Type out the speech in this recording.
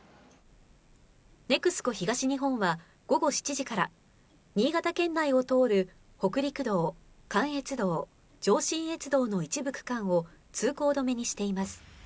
ＮＥＸＣＯ東日本は午後７時から、新潟県内を通る北陸道、関越道、上信越道の一部区間を通行止めにしています。